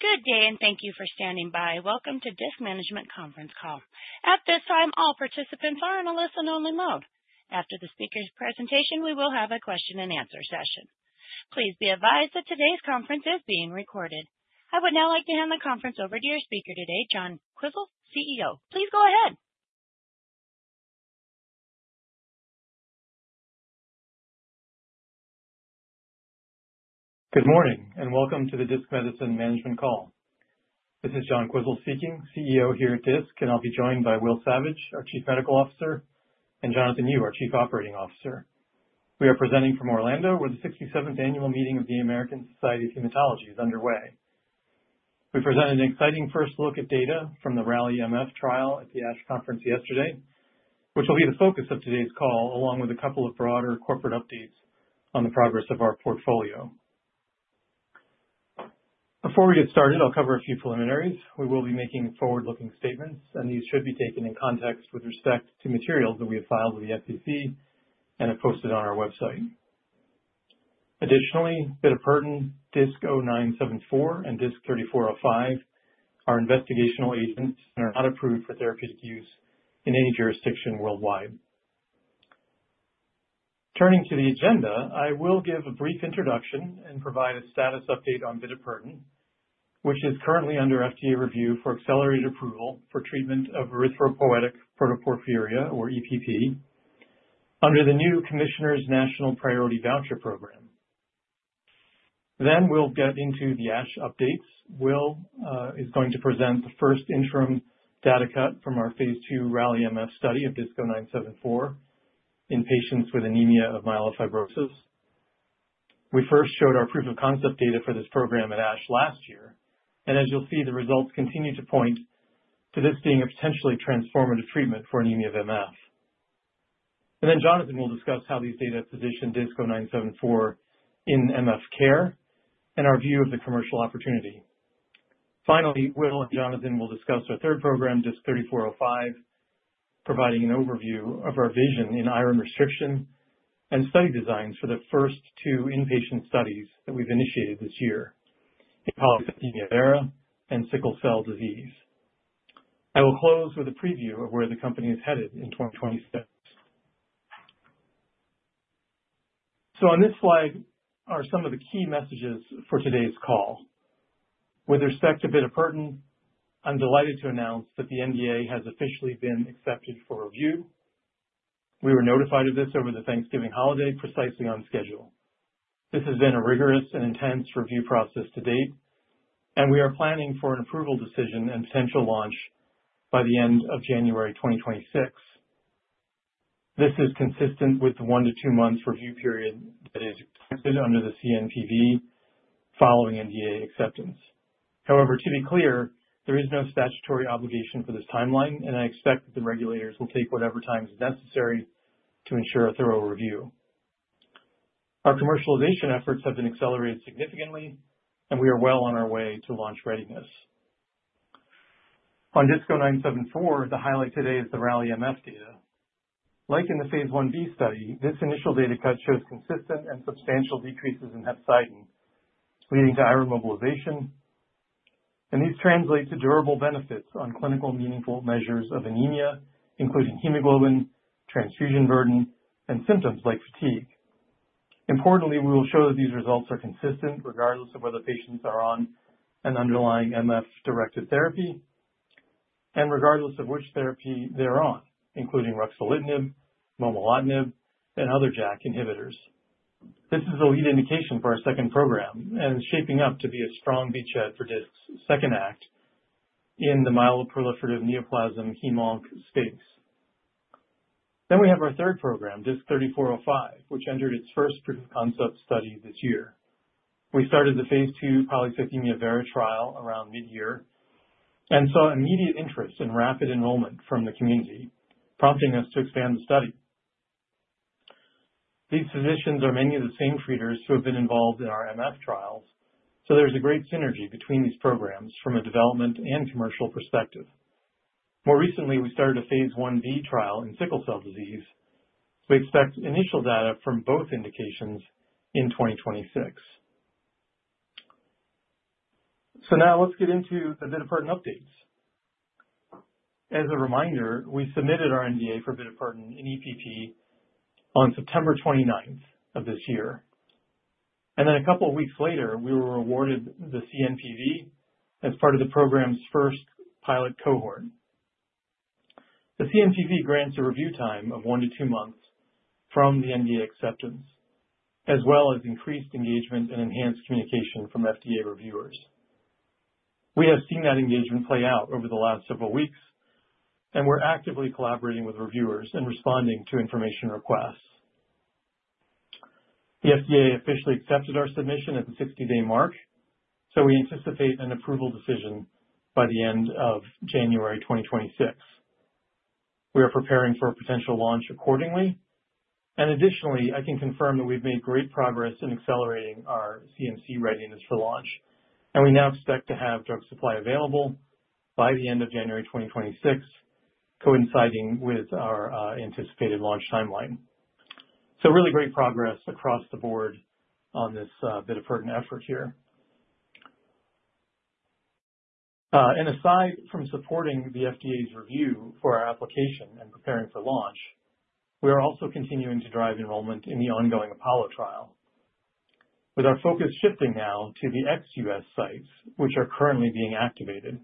Good day and thank you for standing by. Welcome to Disc management conference call. At this time all participants are in a listen-only mode. After the speaker's presentation we will have a question and answer session. Please be advised that today's conference is being recorded. I would now like to hand the conference over to your speaker today, John Quisel, CEO. Please go ahead. Good morning and welcome to the Disc Medicine management call. This is John Quisel speaking, CEO here at Disc and I'll be joined by Will Savage, our Chief Medical Officer and Jonathan Yu, our Chief Operating Officer. We are presenting from Orlando where the 67th Annual Meeting of the American Society of Hematology is underway. We presented an exciting first look at data from the RALLY-MF trial at the ASH Conference yesterday, which will be the focus of today's call along with a couple of broader corporate updates on the progress of our portfolio. Before we get started, I'll cover a few preliminaries. We will be making forward-looking statements and these should be taken in context with respect to materials that we have filed with the SEC and are posted on our website. Additionally, bitopertin, DISC-0974, and DISC-3405 are investigational agents and are not approved for therapeutic use in any jurisdiction worldwide. Turning to the agenda, I will give a brief introduction and provide a status update on bitopertin, which is currently under FDA review for accelerated approval for treatment of erythropoietic protoporphyria or EPP under the new Commissioner's National Priority Voucher Program. Then we'll get into the ASH updates. Will is going to present the first interim data cut from our phase II RALLY-MF study of DISC-0974 in patients with anemia of myelofibrosis. We first showed our proof of concept data for this program at ASH last year and as you'll see, the results continue to point to this being a potentially transformative treatment for anemia of MF. And then Jonathan will discuss how these data position DISC-0974 in MF care and our view of the commercial opportunity. Finally, Will and Jonathan will discuss our third program, DISC-3405, providing an overview of our vision in iron restriction and study designs for the first two inpatient studies that we've initiated this year, polycythemia vera and sickle cell disease. I will close with a preview of where the company is headed in 2026. So on this slide are some of the key messages for today's call with respect to bitopertin. I'm delighted to announce that the NDA has officially been accepted for review. We were notified of this over the Thanksgiving holiday, precisely on schedule. This has been a rigorous and intense review process to date and we are planning for an approval decision and potential launch of bitopertin by the end of January 2026. This is consistent with the one to two months review period that is under the CNPV following NDA acceptance. However, to be clear, there is no statutory obligation for this timeline and I expect that the regulators will take whatever time is necessary to ensure a thorough review. Our commercialization efforts have been accelerated significantly and we are well on our way to launch readiness. On DISC-0974. The highlight today is the RALLY-MF data. Like in the phase I-B study, this initial data cut shows consistent and substantial decreases in hepcidin leading to iron mobilization and these translate to durable benefits on clinically meaningful measures of anemia including hemoglobin, transfusion burden and symptoms like fatigue. Importantly, we will show that these results are consistent regardless of whether patients are on an underlying MF directed therapy and regardless of which therapy they're on, including ruxolitinib, momelotinib and other JAK inhibitors. This is the lead indication for our second program and is shaping up to be a strong beachhead for Disc's second act in the myeloproliferative neoplasm Hem/Onc space. Then we have our third program, DISC-3405 which entered its first proof of concept study this year. We started the phase II polycythemia vera trial around mid year and saw immediate interest in rapid enrollment from the community, prompting us to expand the study. These physicians are many of the same treaters who have been involved in our MF trials, so there's a great synergy between these programs from a development and commercial perspective. More recently we started a phase 1-B trial in sickle cell disease. We expect initial data from both indications in 2026. Now let's get into the bitopertin part and updates. As a reminder, we submitted our NDA for bitopertin in EPP on September 29th of this year and then a couple weeks later we were awarded the CNPV as part of the program's first pilot cohort. The CNPV grants a review time of one to two months from the NDA acceptance as well as increased engagement and enhanced communication from FDA reviewers. We have seen that engagement play out over the last several weeks and we're actively collaborating with reviewers and responding to information requests. The FDA officially accepted our submission at the 60 day mark, so we anticipate an approval decision by the end of January 2026. We are preparing for a potential launch accordingly, and additionally I can confirm that we've made great progress in accelerating our CMC readiness for launch and we now expect to have drug supply available by the end of January 2026, coinciding with our anticipated launch timeline, so really great progress across the board on this bitopertin effort here. Aside from supporting the FDA's review for our application and preparing for launch, we are also continuing to drive enrollment in the ongoing APOLLO trial, with our focus shifting now to the ex-U.S. sites which are currently being activated.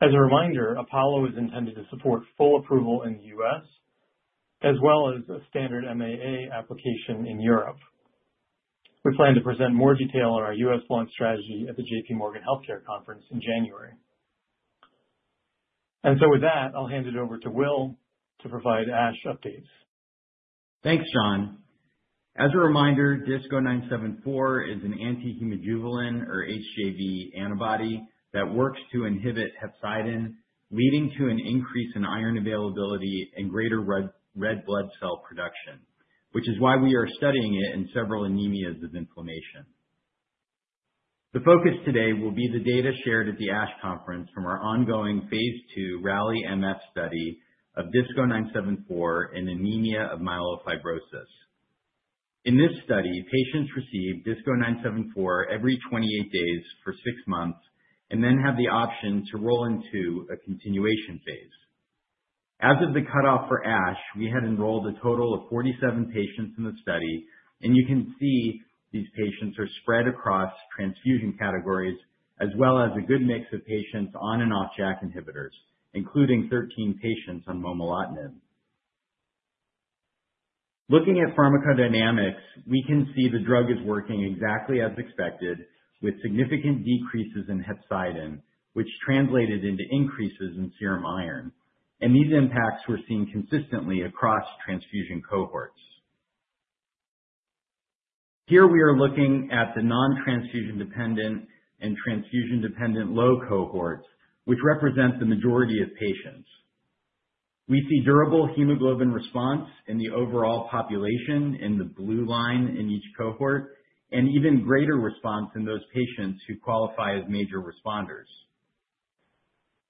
As a reminder, APOLLO is intended to support full approval in the U.S. as well as a standard MAA application in Europe. We plan to present more detail on our U.S. Launch strategy at the JPMorgan Healthcare Conference in January. And so with that, I'll hand it over to Will to provide ASH updates. Thanks, John. As a reminder, DISC-0974 is an anti-hemojuvelin or HJV antibody that works to inhibit hepcidin and leading to an increase in iron availability and greater. Red blood cell production, which is why. We are studying it in several anemias of inflammation. The focus today will be the data shared at the ASH conference from our ongoing phase II RALLY-MF study of DISC-0974 and anemia of myelofibrosis. In this study, patients received DISC-0974 every 28 days for six months and then have the option to roll into a continuation phase. As of the cutoff for ASH, we had enrolled a total of 47 patients in the study and you can see these patients are spread across transfusion. Categories as well as a good mix. Of patients on and off JAK inhibitors, including 13 patients on momelotinib. Looking at pharmacodynamics, we can see the drug is working exactly as expected, with significant decreases in hepcidin, which translated into increases in serum iron, and these impacts were seen consistently across transfusion cohorts. Here we are looking at the non-transfusion-dependent and transfusion dependent low cohorts which represent the majority of patients. We see durable hemoglobin response in the overall population in the blue line in each cohort and even greater response in those patients who qualify as major responders.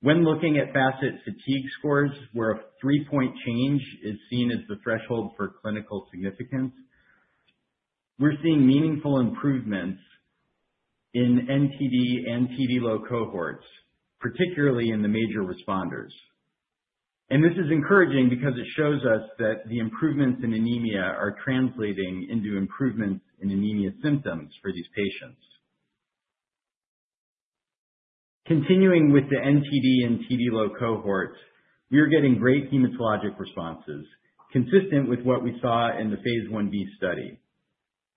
When looking at FACIT-Fatigue scores where a three-point change is seen as the threshold for clinical significance, we're seeing meaningful improvements in nTD and TD low cohorts, particularly in the major responders and this is encouraging because it shows us that the improvements in anemia are translating into improvements in anemia symptoms for these patients. Continuing with the nTD and TD low cohorts, we are getting great hematologic responses consistent with what we saw in the phase I-B study.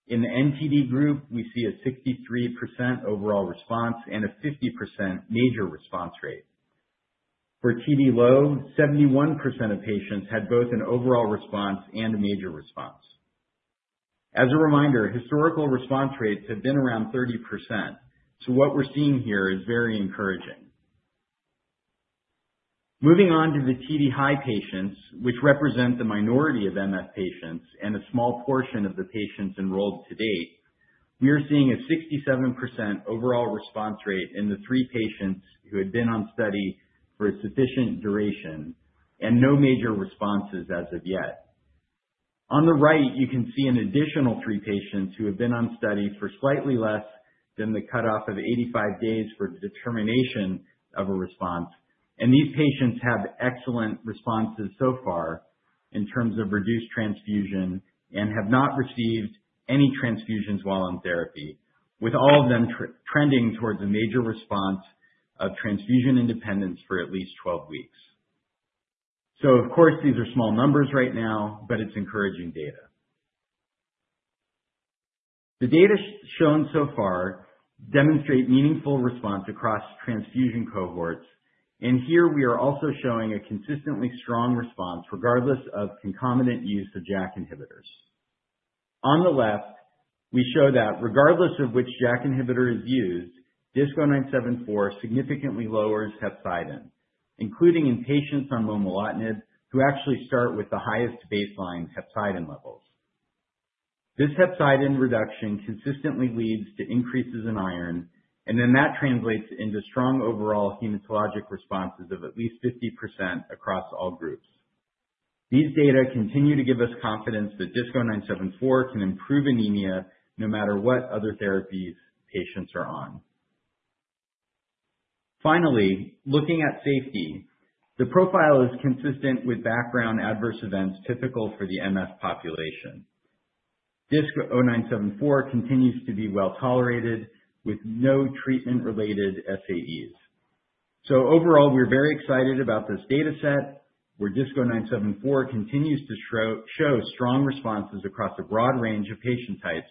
In the nTD group we see a 63% overall response and a 50% major response rate for TD low. 71% of patients had both an overall response and a major response. As a reminder, historical response rates have been around 30%, so what we're seeing here is very encouraging. Moving on to the TD high patients which represent the minority of MF patients and a small portion of the patients enrolled to date, we are seeing a 67% overall response rate in the three patients who had been on study for a sufficient duration and no major responses as of yet. On the right you can see an additional three patients who have been on study for slightly less than the cutoff of 85 days for determination of a response and these patients have excellent responses so far in terms of reduced transfusion and have not received any transfusions while in therapy, with all of them trending towards a major response of transfusion independence. For at least 12 weeks. So of course these are small numbers right now, but it's encouraging data. The data shown so far demonstrate meaningful response across transfusion cohorts and here we are also showing a consistently strong response regardless of concomitant use of JAK inhibitors. On the left we show that regardless of which JAK inhibitor is used, DISC-0974 significantly lowers hepcidin, including in patients on momelotinib who actually start with the highest baseline hepcidin levels. This hepcidin reduction consistently leads to increases in iron and then that translates into strong overall hematologic responses of at least. 50% across all groups. These data continue to give us confidence that DISC-0974 can improve anemia no matter what other therapies patients are on. Finally, looking at safety, the profile is consistent with background adverse events typical for the MF population. DISC-0974 continues to be well tolerated with no treatment related SAEs. So overall we're very excited about this data set where DISC-0974 continues to show strong responses across a broad range of. Patient types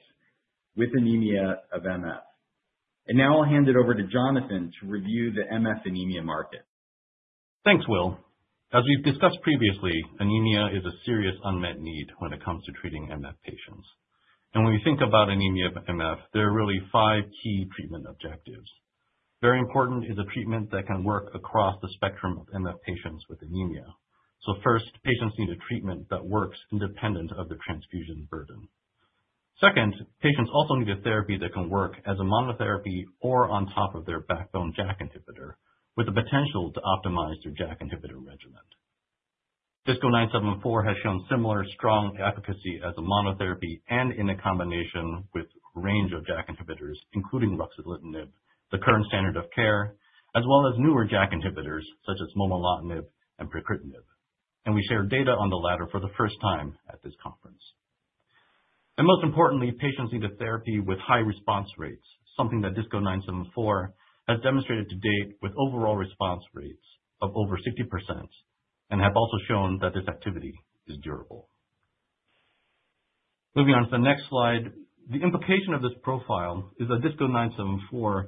with anemia of MF. Now I'll hand it over to Jonathan to review the MF anemia market. Thanks Will. As we've discussed previously, anemia is a. Serious unmet need when it comes to treating MF patients, and when we think about anemia of. MF, there are really five key treatment objectives. Very important is a treatment that can work across the spectrum of MF patients with anemia. So first, patients need a treatment that works independent of the transfusion burden. Second, patients also need a therapy that can work as a monotherapy or on top of their backbone JAK inhibitor with the potential to optimize their JAK inhibitor regimen. DISC-0974 has shown similar strong efficacy as a monotherapy and in a combination with range of JAK inhibitors including ruxolitinib, the current standard of care, as well as newer JAK inhibitors such as momelotinib and pacritinib and we share data on the latter for the first time at this conference. And most importantly, patients need a therapy with high response rates, something that DISC-0974 has demonstrated to date with overall response rates of over 60% and have also shown that this activity is durable. Moving on to the next slide, the implication of this profile is that DISC-0974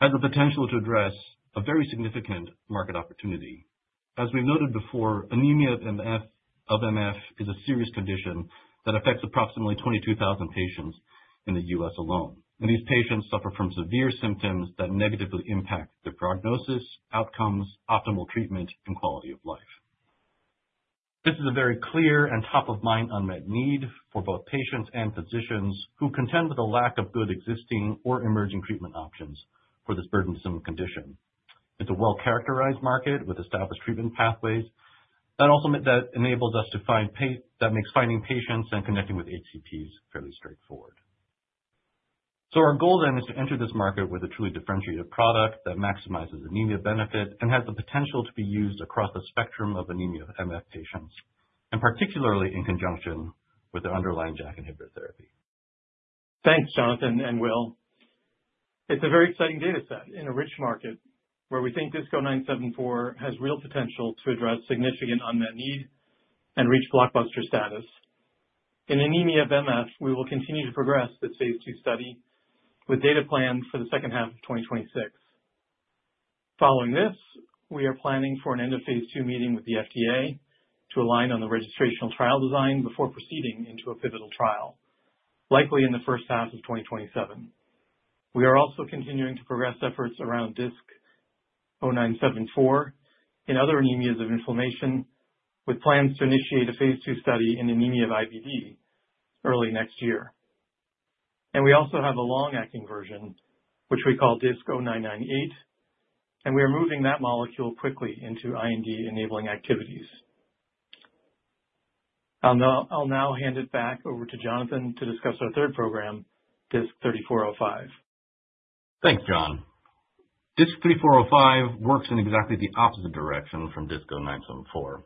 has the potential to address a very significant market opportunity. As we noted before, anemia of MF. is a serious condition that affects approximately 22,000 patients in the U.S. alone and these patients suffer from severe symptoms that negatively impact their prognosis outcomes, optimal treatment and quality of life. This is a very clear and top of mind unmet need for both patients and physicians who contend with a lack of good existing or emerging treatment options for this burdensome condition. It's a well characterized market with established treatment pathways that also enables us to find that makes finding patients and connecting. With HCPs fairly straightforward. So our goal then is to enter this market with a truly differentiated product that maximizes anemia benefit and has the potential to be used across the spectrum of anemia MF patients and particularly in conjunction with the underlying JAK inhibitor therapy. Thanks Jonathan and Will. It's a very exciting data set in a rich market where we think DISC-0974 has real potential to address significant unmet need and reach blockbuster status in anemia of MF. We will continue to progress this phase II study with data planned for the second half of 2026. Following this, we are planning for an. End of phase II meeting with the. FDA to align on the registrational trial design before proceeding into a pivotal trial likely in the first half of 2027. We are also continuing to progress efforts around DISC-0974 and other anemias of inflammation with plans to initiate a phase II study in anemia of IBD early next year, and we also have a long acting version which we call DISC-0998 and we are moving that molecule quickly into IND-enabling activities. I'll now hand it back over to Jonathan to discuss our third program DISC-3405. Thanks John. DISC-3405 works in exactly the opposite direction from DISC-0974,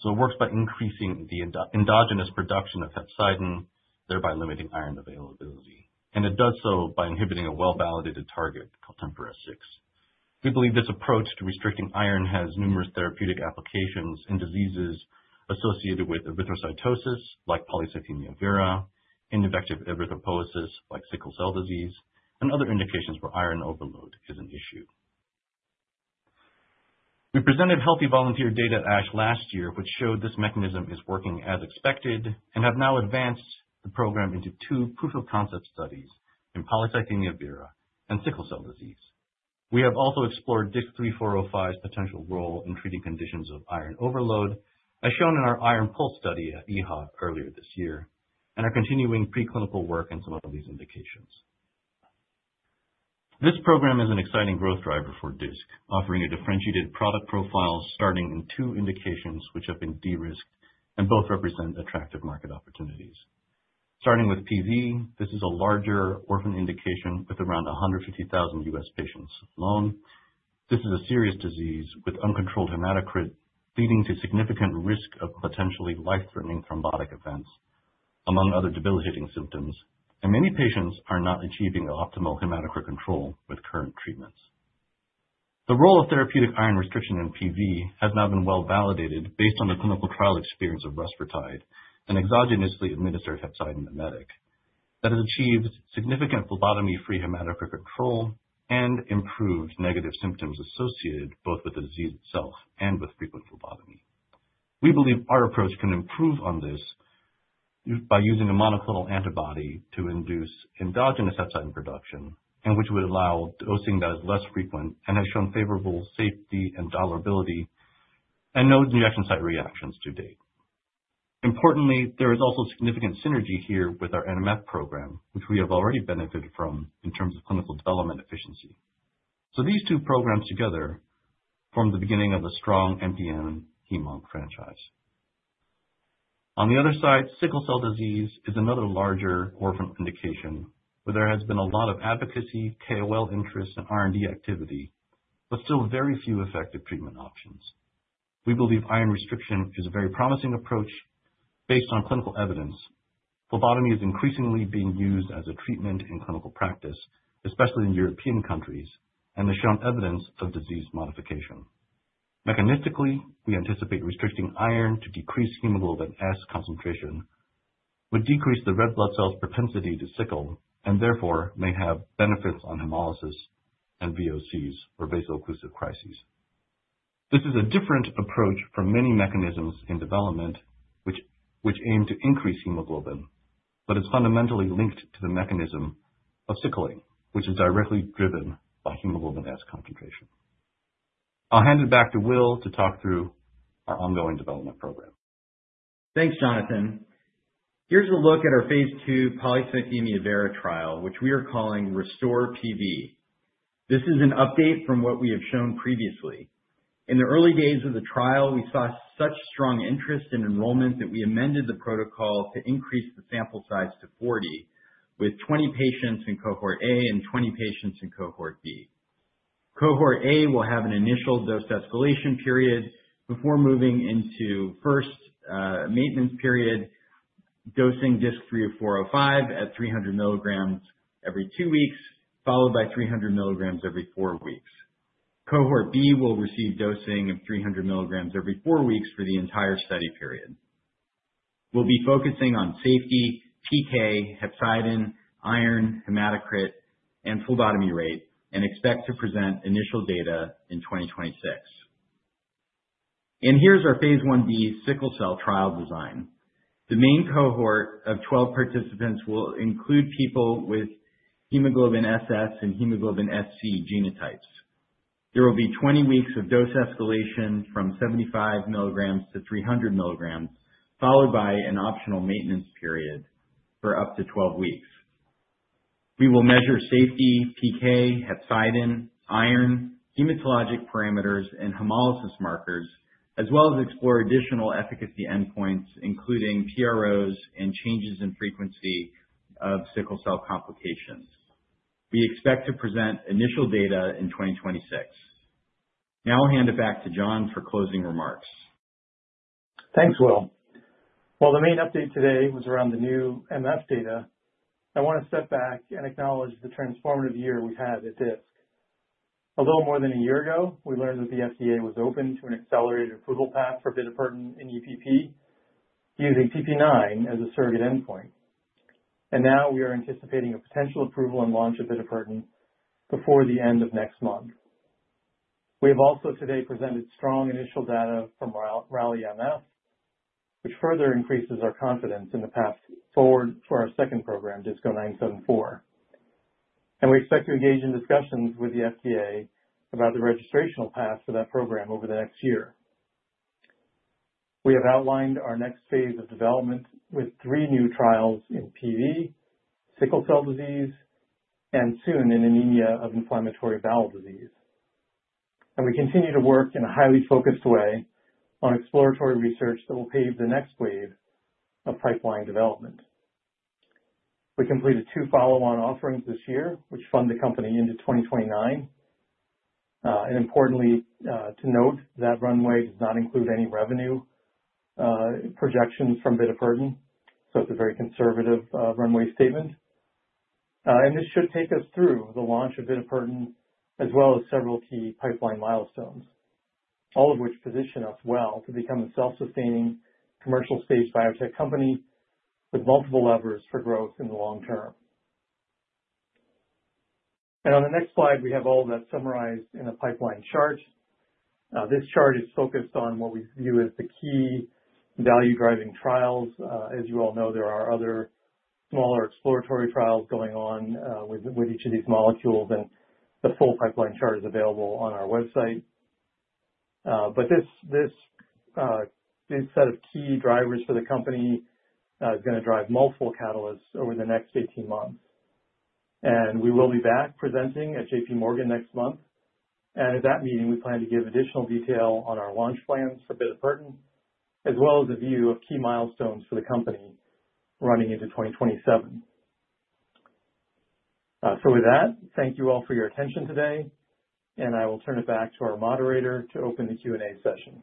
so it works by increasing the endogenous production of hepcidin, thereby limiting iron availability, and it does so by inhibiting a well-validated target called TMPRSS6. We believe this approach to restricting iron has numerous therapeutic applications in diseases associated with erythrocytosis like polycythemia vera, ineffective erythropoiesis like sickle cell disease, and other indications where iron overload is an issue. We presented healthy volunteer data at ASH last year which showed this mechanism is working as expected, and have now advanced the program into two proof of concept studies in polycythemia vera and sickle cell disease. We have also explored DISC-3405's potential role in treating conditions of iron overload as shown in our Iron Pulse study at EHA earlier this year and are continuing preclinical work in some of these indications. This program is an exciting growth driver for Disc offering a differentiated product profile starting in two indications which have been de risked and both represent attractive market opportunities starting with PV. This is a larger orphan indication with around 150,000 U.S. patients alone. This is a serious disease with uncontrolled hematocrit leading to significant risk of potentially life threatening thrombotic events among other debilitating symptoms and many patients are not achieving the optimal hematocrit control with current treatments. The role of therapeutic iron restriction in PV has not been well validated based on the clinical trial experience of rusfertide and exogenously administered hepcidin mimetic that has achieved significant phlebotomy-free hematocrit control and improved negative symptoms associated both with the disease itself and with frequent phlebotomy. We believe our approach can improve on this by using a monoclonal antibody to induce endogenous hepcidin production and which would allow dosing that is less frequent and has shown favorable safety and tolerability and no injection site reactions to date. Importantly, there is also significant synergy here with our MPN program which we have already benefited from in terms of clinical development efficiency, so these two programs together form the beginning of a strong MPN heme franchise. On the other side, sickle cell disease is another larger orphan indication where there has been a lot of advocacy, KOL interest and R&D activity, but still very few effective treatment options. We believe iron restriction is a very promising approach based on clinical evidence. Phlebotomy is increasingly being used as a treatment in clinical practice, especially in European countries and has shown evidence of disease modification. Mechanistically, we anticipate restricting iron to decrease hemoglobin S concentration but decrease the red blood cells' propensity to sickle and therefore may have benefits on hemolysis and VOCs or vaso-occlusive crises. This is a different approach for many mechanisms in development which aim to increase hemoglobin, but it's fundamentally linked to the mechanism of sickling which is directly driven by hemoglobin S concentration. I'll hand it back to Will to talk through our ongoing development program. Thanks Jonathan. Here's a look at our phase II polycythemia vera trial which we are calling RESTORE-PV. This is an update from what we have shown previously. In the early days of the trial we saw such strong interest in enrollment that we amended the protocol to increase the sample size to 40 with 20 patients in cohort A and 20 patients in cohort B. Cohort A will have an initial dose escalation period before moving into first maintenance period dosing DISC-3405 at 300 mg every two weeks followed by 300 mg every four weeks. Cohort B will receive dosing of 300 mg every four weeks for the entire study period. We'll be focusing on safety, PK, hepcidin, iron, hematocrit and phlebotomy rate and expect to present initial data in 2026. Here's our phase I-B sickle cell trial design. The main cohort of 12 participants will include people with hemoglobin SS and hemoglobin SC genotypes. There will be 20 weeks of dose escalation from 75 mg to 300 mg followed by an optional maintenance period for. Up to 12 weeks. We will measure safety PK, hepcidin, iron, hematologic parameters and hemolysis markers, as well as explore additional efficacy endpoints including PROs and changes in frequency of sickle cell complications. We expect to present initial data in 2026. Now I'll hand it back to John for closing remarks. Thanks, Will. While the main update today was around the new MF data, I want to step back and acknowledge the transformative year we had at Disc a little more than a year ago. We learned that the FDA was open to an accelerated approval path for bitopertin and EPP using PPIX as a surrogate endpoint, and now we are anticipating a potential approval and launch of bitopertin before the end of next month. We have also today presented strong initial data from RALLY-MF which further increases our confidence in the path forward for our second program, DISC-0974 and we expect to engage in discussions with the FDA about the registrational path for that. Program over the next year. We have outlined our next phase of development with three new trials in PV, sickle cell disease, and soon in anemia of inflammatory bowel disease, and we continue to work in a highly focused way on exploratory research that will pave the next wave of pipeline development. We completed two follow-on offerings this year, which fund the company into 2029, and, importantly, to note that runway does not include any revenue projections from bitopertin, so it's a very conservative runway statement, and this should take us through the launch of bitopertin as well as several key pipeline milestones, all of which position us well to become a self-sustaining commercial-stage biotech company with multiple levers for growth in the long term. On the next slide we have all that summarized in a pipeline chart. This chart is focused on what we view as the key value driving trials. As you all know, there are other smaller exploratory trials going on with each of these molecules and the full pipeline chart is available on our website. But this set of key drivers for the company is going to drive multiple catalysts over the next 18 months and we will be back presenting at JPMorgan next month. At that meeting we plan to give additional detail on our launch plans for bitopertin as well as a view of key milestones for the company running into 2027. So with that, thank you all for your attention today, and I will turn it back to our moderator to open the Q and A session.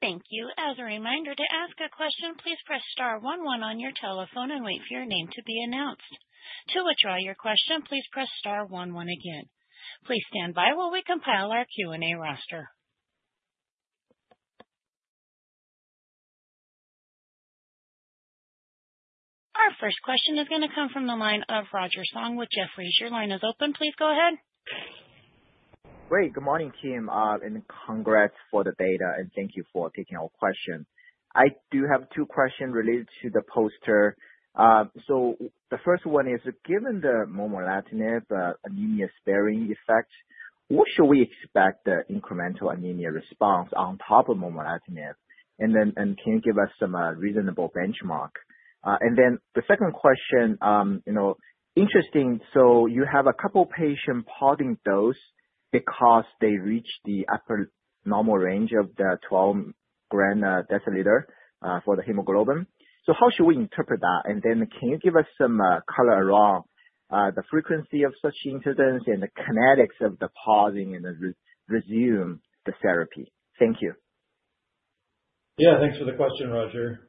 Thank you. As a reminder to ask a question, please press star 11 on your telephone and wait for your name to be announced. To withdraw your question, please press star 11 again. Please stand by while we compile our Q and A roster. Our first question is going to come from the line of Roger Song with Jefferies. Your line is open. Please go ahead. Great. Good morning team and congrats for the data and thank you for taking our question. I do have two questions related to the poster, so the first one is given the momelotinib anemia-sparing effect. What should we expect the incremental anemia response on top of momelotinib? And then can you give us some reasonable benchmark? And then the second question. Interesting. You have a couple patients pausing dose because they reach the upper normal range of the 12 g per deciliter for the hemoglobin. How should we interpret that? And then can you give us some color around the frequency of such incidence and the kinetics of the pausing and resume the therapy? Thank you. Yeah, thanks for the question, Roger.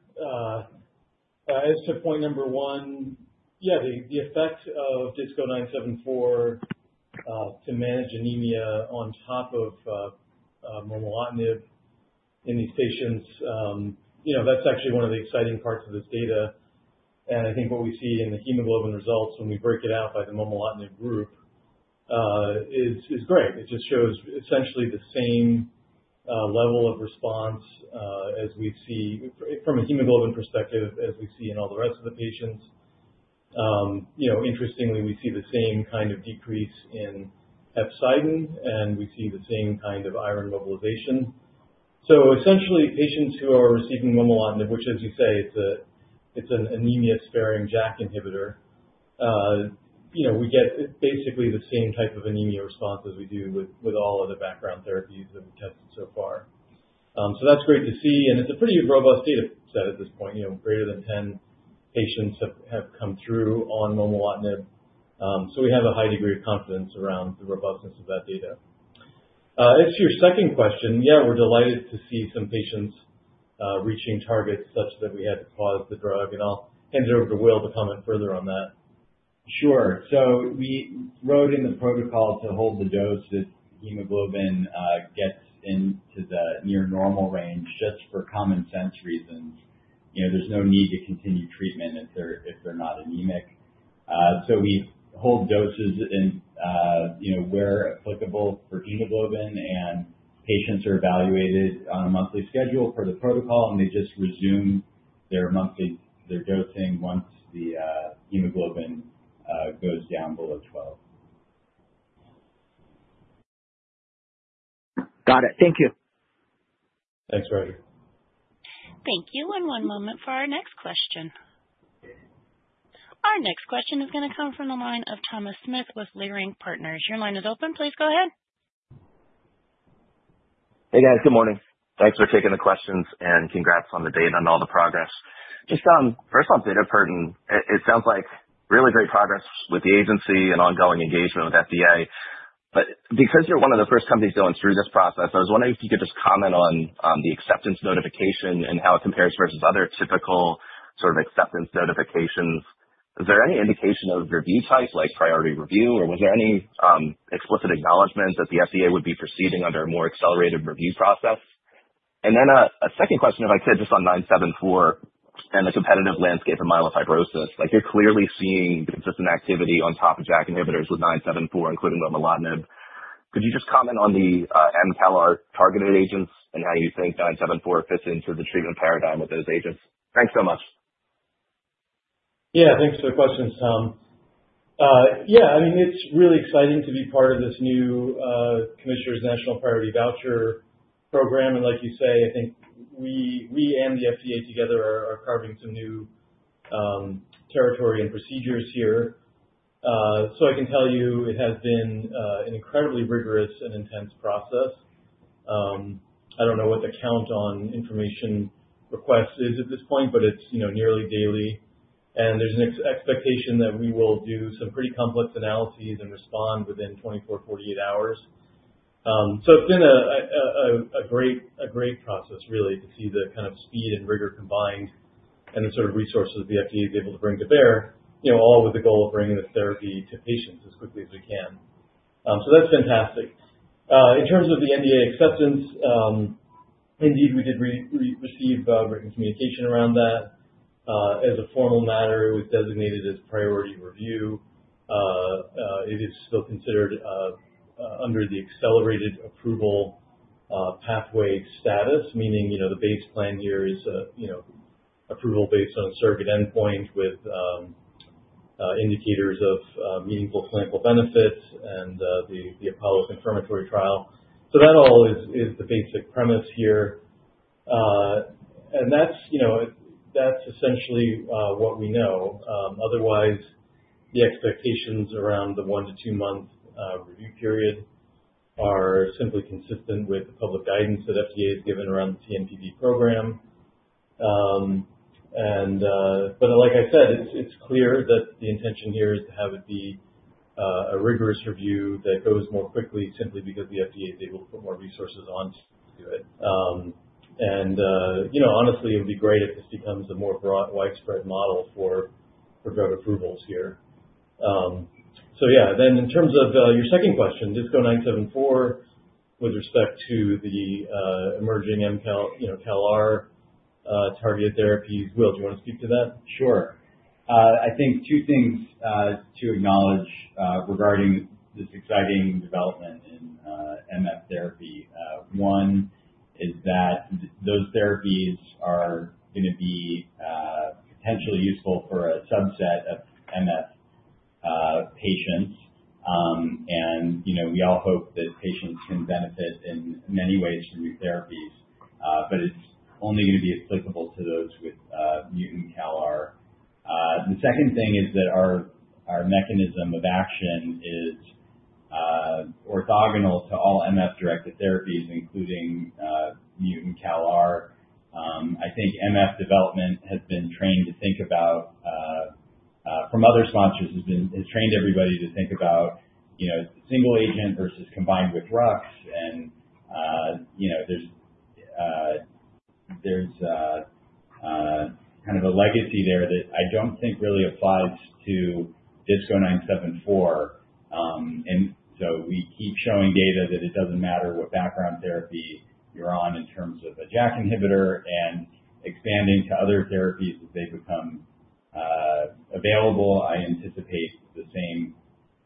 As. To point number one. Yeah. The effect of DISC-0974 to manage anemia on top of. In these patients, you know, that's actually one of the exciting parts of this data. I think what we see in the hemoglobin results when we break it out by the momelotinib group is great. It just shows essentially the same level of response as we see from a hemoglobin perspective as we see in all the rest of the patients. You know, interestingly, we see the same kind of decrease in hepcidin and we see the same kind of iron mobilization. So essentially, patients who are receiving momelotinib, which, as you say, it's an anemia sparing JAK inhibitor, you know, we get basically the same type of anemia response as we do with all of the background therapies that we've tested so far. So that's great to see. It's a pretty robust data set at this point. You know, greater than 10 patients have come through on momelotinib, so we have a high degree of confidence around the robustness of that data. As to your second question. Yeah, we're delighted to see some patients reaching targets such that we had to pause the drug, and I'll hand it over to Will to comment further on that. Sure, so we wrote in the protocol to. Hold the dose if hemoglobin gets into the near normal range, just for common sense reasons, you know, there's no need to continue treatment if they're not anemic. So we hold doses where applicable. Hemoglobin and patients are evaluated on a. Monthly schedule for the protocol and they. Just resume their monthly dosing once the hemoglobin goes down below 12. Got it. Thank you. Thanks, Roger. Thank you. One moment for our next question. Our next question is going to come from the line of Thomas Smith with Leerink Partners. Your line is open. Please go ahead. Hey, guys, good morning. Thanks for taking the questions and congrats on the data and all the progress. Just first off, bitopertin, it sounds like really great progress with the agency and ongoing engagement with FDA. But because you're one of the first companies going through this process, I was wondering if you could just comment on the acceptance notification and how it compares versus other typical sort of acceptance notifications. Is there any indication of review type, like priority review, or was there any explicit acknowledgement that the FDA would be proceeding under a more accelerated review process? And then a second question, if I could just on DISC-0974 and the competitive landscape of myelofibrosis, like you're clearly seeing consistent activity on top of JAK inhibitors with DISC-0974, including momelotinib. Could you just comment on the mutant CALR targeted agents and how you think DISC-0974 fits into the treatment paradigm with those agents? Thanks so much. Yeah, thanks for the question. Yeah, I mean, it's really exciting to. Be part of this new Commissioner's National Priority Voucher program. And like you say, I think we and the FDA together are carving some new territory and procedures here. So I can tell you it has been an incredibly rigorous and intense process. I don't know what the count on information request is at this point, but it's, you know, nearly daily, and there's an expectation that we will do some pretty complex analyses and respond within 20, 24, 48 hours, so it's been a great process really, to see the kind of speed and rigor combined and the sort of resources the FDA is able to bring to bear, all with the goal of bringing this therapy to patients as quickly as we can, so that's fantastic. In terms of the NDA acceptance, indeed, we did receive written communication around that. As a formal matter, it was designated as priority review. It is still considered under the accelerated approval pathway status. Meaning, you know, the base plan here is, you know, approval based on a surrogate endpoint with indicators of meaningful clinical benefits and the APOLLO confirmatory trial. So that all is the basic premise here. That's, you know, that's essentially what we know. Otherwise, the expectations around the one- to two-month review period are simply consistent with the public guidance that FDA has given around the CNPV program. But like I said, it's clear that the intention here is to have it be a rigorous review that goes more quickly simply because the FDA is able to put more resources on. You know, honestly, it would be great if this becomes a more broad, widespread model for drug approvals here. Yeah, then in terms of your second question, DISC-0974 with respect to the emerging mutant CALR targeted therapies, Will. Do you want to speak to that? Sure. I think two things to acknowledge regarding this exciting development in MF therapy. One is that those therapies are going to be potentially useful for a subset of MF patients. And you know, we all hope that patients can benefit in many ways from new therapies, but it's only going to be applicable to those with mutant CALR. The second thing is that our mechanism of action is orthogonal to all MF directed therapies, including mutant CALR. I think MF development has been trained to think about from other sponsors, has trained everybody to think about, you know, single agent versus combined with Rux. And you know, there's. There's. Kind of. A legacy there that I don't think really applies to DISC-0974. And so we keep showing data that it doesn't matter what background therapy you're on in terms of a JAK inhibitor and expanding to other therapies as they become available. I anticipate the same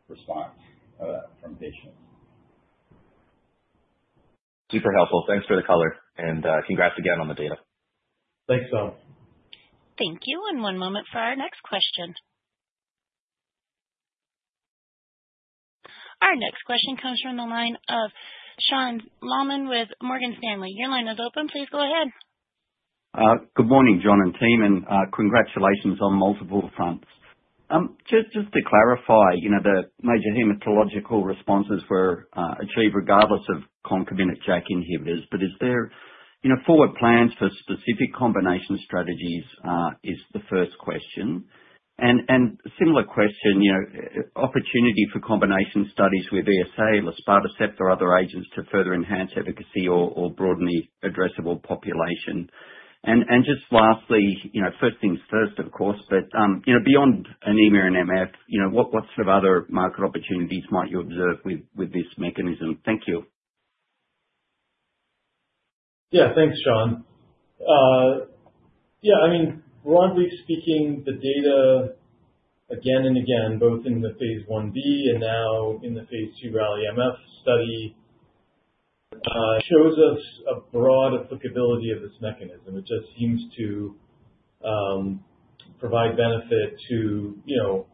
response from patients. Super helpful. Thanks for the color and congrats again on the data. Thanks, Tom. Thank you. One moment for our next question. Our next question comes from the line of Sean Laaman with Morgan Stanley. Your line is open. Please go ahead. Good morning John and team and congratulations on multiple fronts. Just to clarify, the major hematological responses were achieved regardless of with concomitant JAK inhibitors, but is there forward plans for specific combination strategies? Is the first question and similar question opportunity for combination studies with ESA, luspatercept or other agents to further enhance efficacy or broaden the addressable population. And just lastly, first things first, of course, but beyond anemia and MF, what sort of other market opportunities might you observe with this mechanism? Thank you. Yeah, thanks, Sean. Yeah, I mean, broadly speaking, the. Data again and again, both in the phase I-B and now in the phase II RALLY-MF study. Shows us a broad applicability of this mechanism. It just seems to. Provide benefit to, you know.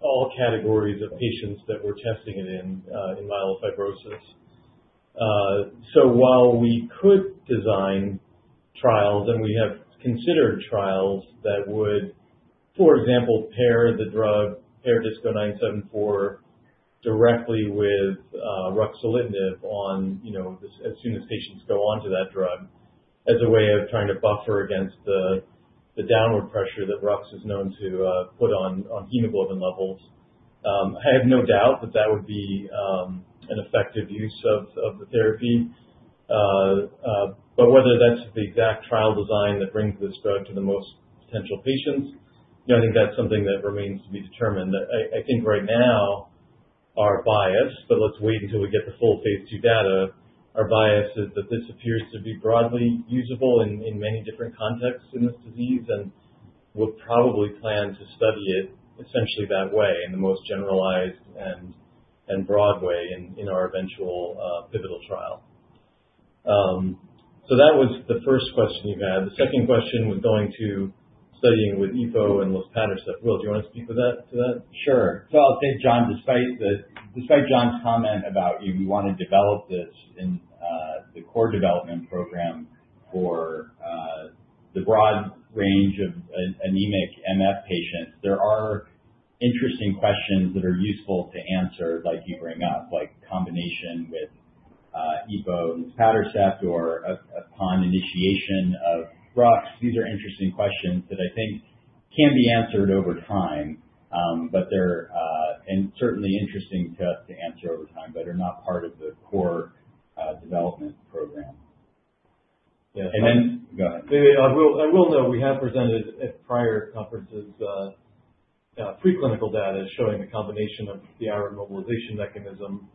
All categories of patients that we're testing it in myelofibrosis. So while we could design trials, and we have considered trials that would, for example, pair the drug DISC-0974 directly with ruxolitinib, you know, as soon as patients go onto that drug as a way of trying to buffer against the downward pressure that Rux is known to put on hemoglobin levels, I have no doubt that that would be an effective use of the therapy. But whether that's the exact trial design that brings this drug to the most potential patients. I think that's something that remains to be determined. I think right now our bias, but let's wait until we get the full phase II data. Our bias is that this appears to be broadly usable in many different contexts in this disease. And we'll probably plan to study it essentially that way in the most generalized and broad way in our eventual pivotal trial. So that was the first question you had. The second question was going to studying with EPO and luspatercept. Will, you want to speak to that? Sure. I'll take Sean. Despite the. Despite John's comment about you, we want to develop this in the core development program for the broad range of anemic MF patients. There are interesting questions that are useful to answer like you bring up, like combination with EPO luspatercept or upon initiation of ruxolitinib. These are interesting questions that I think can be answered over time, but they're certainly interesting to us to answer. Answer over time but are not part of the core development program. And then go ahead. I will note we have presented at prior conferences preclinical data showing the combination of the iron mobilization mechanism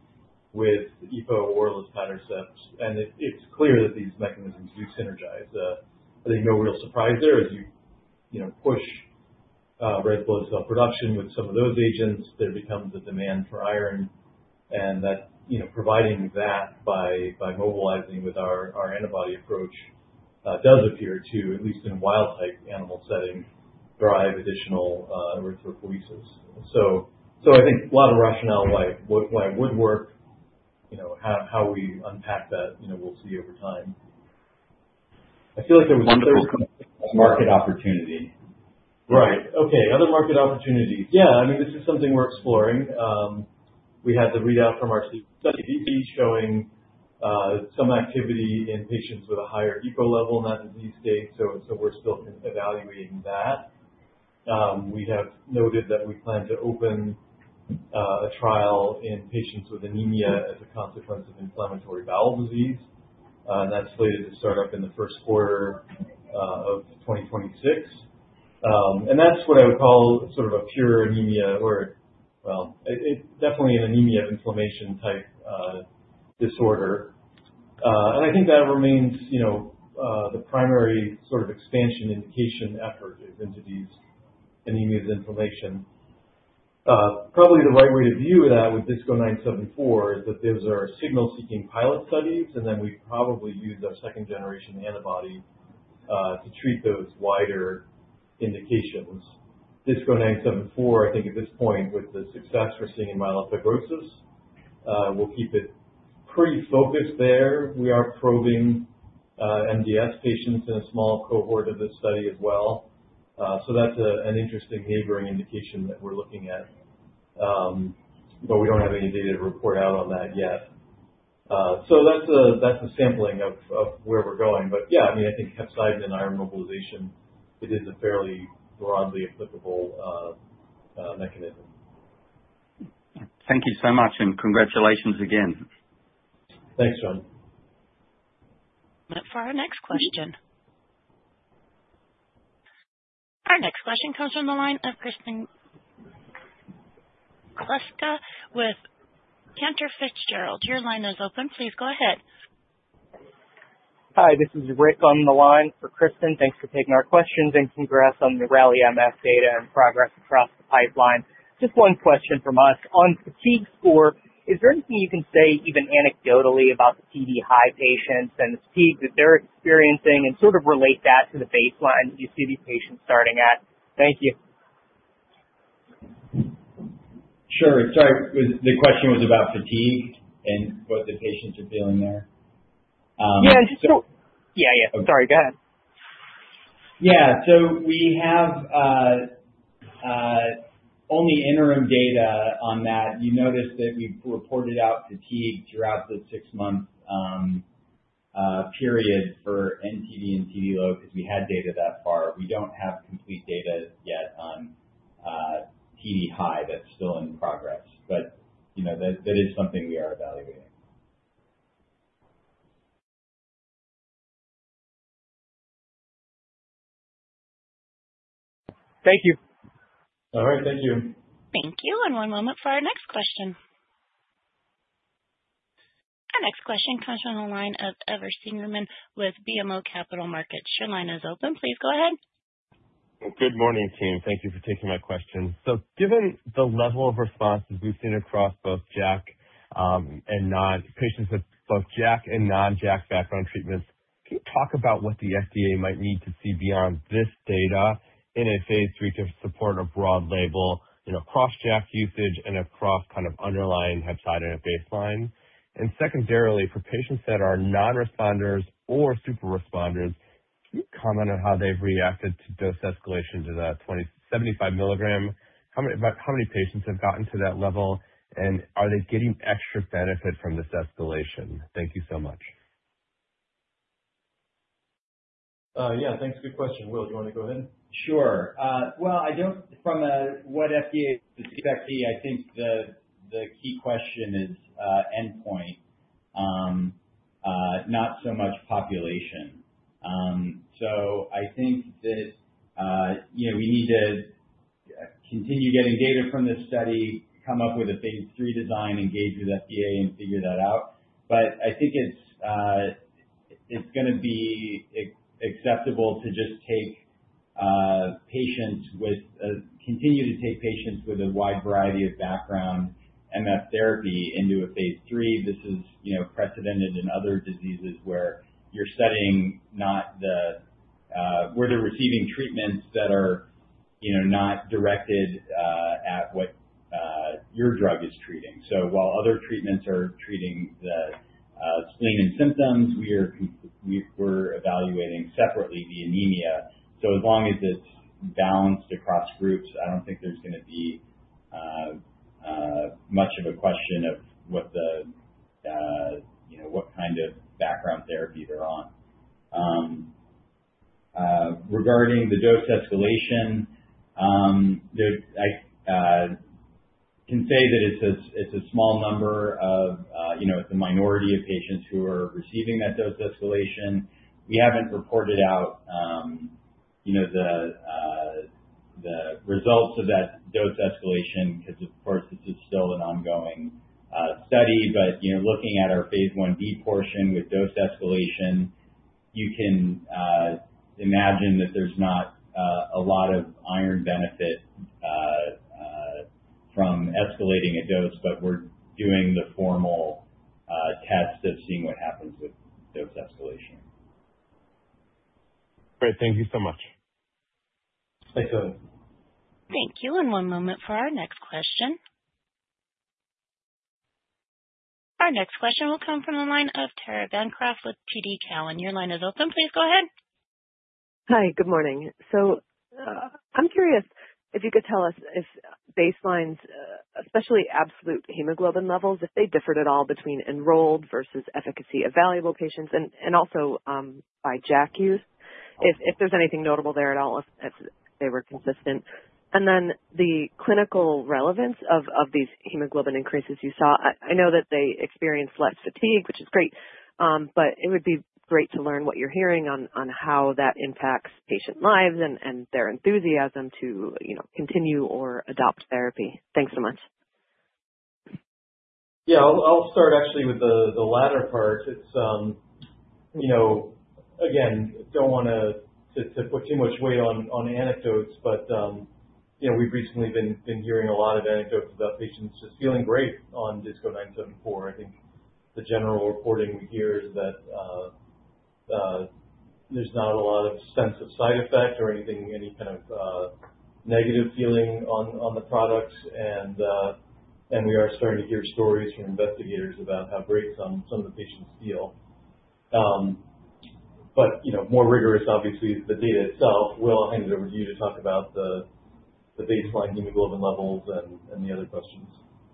with EPO or luspatercept. And it's clear that these mechanisms do synergize. I think no real surprise there. As you push red blood cell production with some of those agents, there becomes a demand for iron and that providing that by mobilizing with our antibody approach does appear to, at least in wild-type animal setting, drive additional erythropoiesis. So I think a lot of rationale why it would work, how we unpack that we'll see over time. I feel like there was one market opportunity. Right? Okay. Other market opportunities. Yeah, I mean this is something we're exploring. We had the readout from our study showing some activity in patients with a higher EPO level in that disease state. So we're still evaluating that. We have noted that we plan to open a trial in patients with anemia as a consequence of inflammatory bowel disease. And that's slated to start up in the first quarter of 2026. And that's what I would call sort of a pure anemia or well, definitely an anemia inflammation type disorder. And I think that remains, you know, the primary sort of expansion, indication effort into these anemias inflammation. Probably the right way to view that with DISC-0974 is that those are signal seeking pilot studies and then we probably use our second generation antibody to treat those wider indications. DISC-0974. I think at this point, with the success we're seeing in myelofibrosis, we'll keep it pretty focused there. We are probing MDS patients in a small cohort of this study as well. So that's an interesting neighboring indication that we're looking at. But we don't have any data to report out on that yet. So that's a sampling of where we're going. But yeah, I mean, I think hepcidin and iron mobilization, it is a fairly broadly applicable mechanism. Thank you so much and congratulations again. Thanks Sean. For our next question. Our next question comes from the line of Kristen Kluska with Cantor Fitzgerald. Your line is open. Please go ahead. Hi, this is Rick on the line for Kristen. Thanks for taking our questions and congrats on the RALLY-MF data and progress across the pipeline. Just one question from us on fatigue score. Is there anything you can say even anecdotally about the TD high patients and? The fatigue that they're experiencing and sort. you relate that to the baseline that you see these patients starting at. Thank you. Sure. Sorry. The question was about fatigue and what the patients are feeling there. Yeah, yeah, yeah, sorry, go ahead. Yeah, so we have. Only interim data on that. You notice that we reported out fatigue throughout the six month. Period for nTD and TD low because we had data that far. We don't have complete data yet on TD high. That's still in progress, but you know, that is something we are evaluating. Thank you. All right, thank you. Thank you. One moment for our next question. Our next question comes from the line of Evan Seigerman with BMO Capital Markets. Your line is open. Please go ahead. Good morning, team. Thank you for taking my question. So given the level of responses we've. Seen across both JAK and patients with. Both JAK and non-JAK background treatments. Can you talk about what the FDA might need to see beyond this data? In a phase III to support a broad label across JAK usage and across. Kind of underlying hepcidin and baseline and secondarily for patients that are non responders. Or super responders, can you comment on how they've reacted to dose escalation to the 75 mg? How many patients have gotten to that? Level and are they getting extra benefit from this escalation? Thank you so much. Yeah, thanks. Good question. Will you want to go ahead? Sure. Well, I don't know what FDA? I think the key question is endpoint. Not so much population. So I think that we need to continue getting data from this study, come up with a phase III design, engage with FDA and figure that out. But I think. It's going to be acceptable to just continue to take patients with a wide variety of background MF therapy into a phase III. This is precedented in other diseases where you're studying where they're receiving treatments that are not directed at what. Your drug is treating. So while other treatments are treating the spleen and symptoms, we're evaluating separately the anemia. So as long as it's balanced across groups, I don't think there's going to be. Much of a question of, you know, what kind of background therapy they're on. Regarding the dose escalation. I can say that it's a small number of, you know, the minority of patients who are receiving that dose escalation. We haven't reported out, you know, the. Results of that dose escalation because, of course, this is still an ongoing study. But, you know, looking at our phase I-B portion with dose escalation, you can imagine that there's not a lot of iron benefit. From escalating a dose, but we're doing the formal test of seeing what happens with dose escalation. Great. Thank you so much. Thanks, Evan. Thank you. One moment for our next question. Our next question will come from the line of Tara Bancroft with TD Cowen. Your line is open. Please go ahead. Hi, good morning. So I'm curious if you could tell us if baselines, especially absolute hemoglobin levels, if they differed at all between enrolled versus efficacy-evaluable patients and also by JAK use, if there's anything notable there at all, if they were consistent and then the clinical relevance of these hemoglobin increases? You saw, I know that they experienced less fatigue, which is great, but it would be great to learn what you're hearing on how that impacts patient lives and their enthusiasm to continue or adopt therapy. Thanks so much. Yeah, I'll start actually with the latter part. You know, again, don't want to put too much weight on anecdotes, but, you know, we've recently been hearing a lot of anecdotes about patients just feeling great on DISC-0974. I think the general reporting we hear is that. There's not a lot of sense of side effect or anything, any kind of negative feeling on the products. We are starting to hear stories from veteran investigators about how great some of the patients feel. But more rigorous, obviously the data itself will. I'll hand it over to you to talk about the baseline hemoglobin levels and the other questions.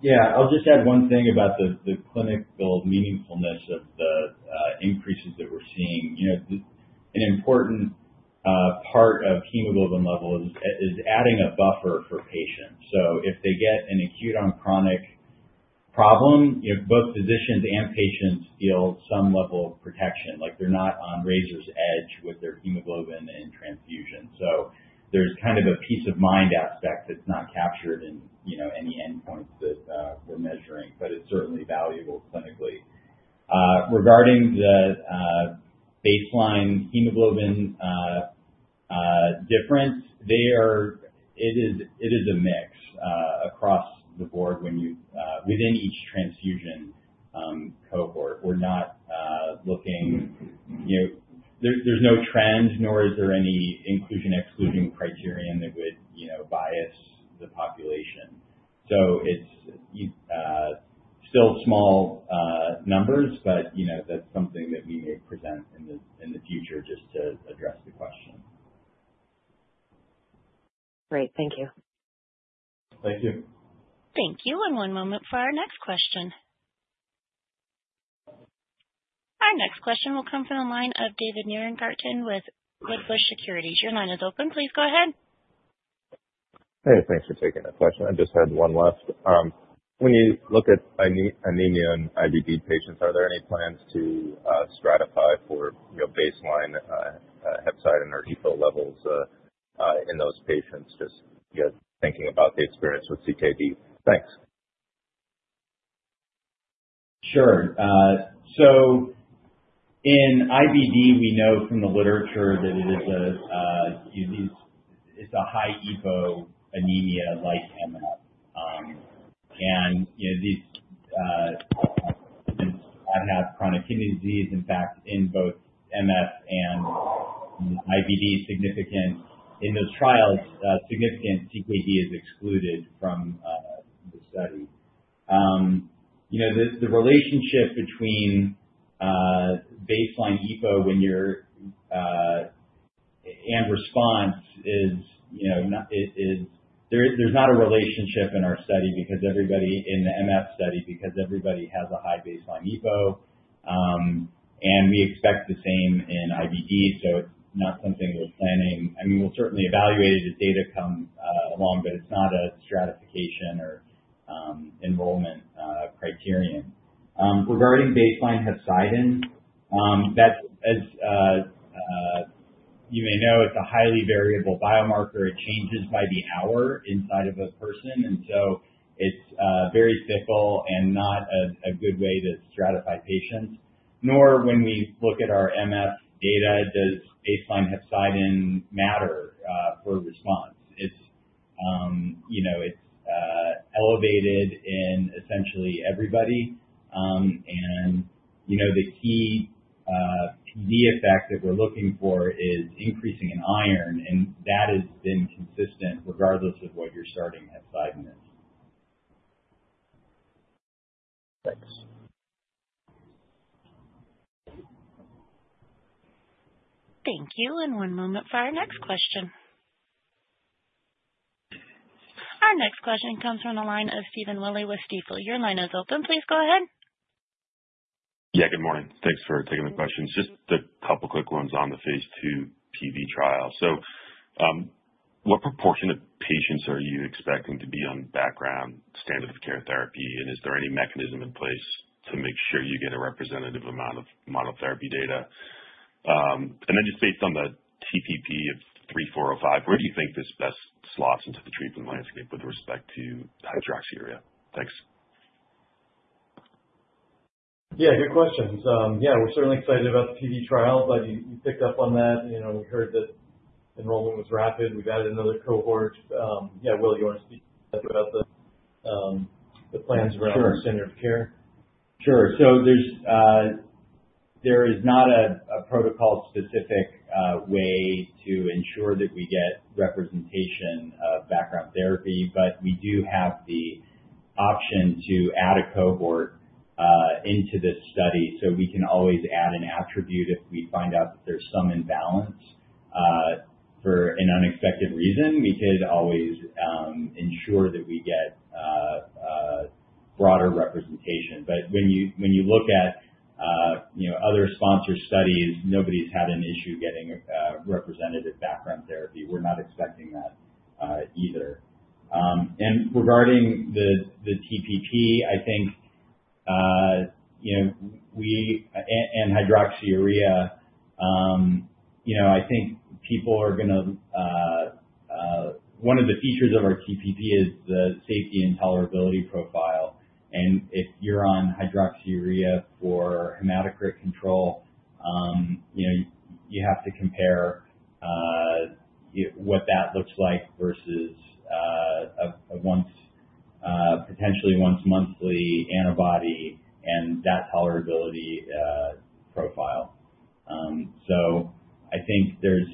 Yeah, I'll just add one thing about. The clinical meaningfulness of the increases that we're seeing. An important part of hemoglobin level is adding a buffer for patients, so if they get an acute on chronic problem, both physicians and patients feel some level of protection, like they're not on razor's edge with their hemoglobin and transfusion, so there's kind of a peace of mind aspect that's not captured in any endpoints that we're measuring, but it's certainly valuable clinically regarding the baseline hemoglobin. Difference. They are. It is a mix across the board when you within each transfusion cohort, we're not looking, you know, there's no trend, nor is there any inclusion exclusion criterion that would, you know, bias the population. So it's. Still small numbers, but you know, that's something that we may appreciate present in the future. Just to address the question. Great, thank you. Thank you. Thank you. One moment for our next question. Our next question will come from the line of David Nierengarten with Wedbush Securities. Your line is open. Please go ahead. Hey, thanks for taking that question. I just had one left. When you look at anemia and IBD patients, are there any plans to stratify? For baseline hepcidin and ferritin levels in those patients? Just thinking about the experience with CKD. Thanks. Sure. So, in IBD, we know from the literature that it is. A high EPO anemia like MF, and these. Have chronic kidney disease. In fact, in both MF and IBD in those trials, significant CKD is excluded from the study. You know, the relationship between. Baseline EPO when you're. Response is, you know, there's not a relationship in our study because everybody in the MF study, because everybody has a high baseline EPO, and we expect the same in IBD. So it's not something we're planning. I mean, we'll certainly evaluate it as data come along, but it's not a stratification or enrollment criterion regarding baseline hepcidin that, as. You may know, it's a highly variable biomarker. It changes by the hour inside of a person. And so it's very fickle and not a good way to stratify patients. Nor when we look at our MF data, does baseline hepcidin matter for response? It's elevated in essentially everybody. And the key PD effect that we're looking for is increasing in iron. And that has been consistent regardless of what you're starting hepcidin. Thanks. Thank you, and one moment for our next question. Our next question comes from the line of Stephen Willey with Stifel. Your line is open. Please go ahead. Yeah, good morning. Thanks for taking the questions. Just a couple quick ones on the phase II PV trial. So, what proportion of patients are you? Expecting to be on background standard of care therapy? And is there any mechanism in place? To make sure you get a representative. Amount of monotherapy data? And then just based on the TPP of DISC-3405, where do you think this? Best slots into the treatment landscape with respect to hydroxyurea? Thanks. Yeah, good questions. Yeah, we're certainly excited about the PV trial, but you picked up on that. You know, we heard that enrollment was rapid. We've added another cohort. Yeah. Will, you want to speak about the plans around standard of care? Sure. So. There is not a protocol specific way to ensure that we get representation of background therapy, but we do have the option to add a cohort into this study. So we can always add an attribute. If we find out that there's some imbalance for an unexpected reason, we could always ensure that we get. Broader representation. But when you look at other sponsor studies, nobody's had an issue getting a representative background therapy. We're not expecting that either. And regarding the TPP, I think, you know, and hydroxyurea, you know, I think people are going to. One of the features of our TPP. It's the safety and tolerability profile, and if you're on hydroxyurea for hematocrit. Control. You have to compare. What that looks like versus. Potentially once monthly antibody and that tolerability profile. So, I think there's.